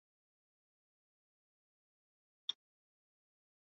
德累斯顿圣母教堂是德国萨克森州首府德累斯顿的一座路德会教堂。